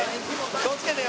気を付けてよ。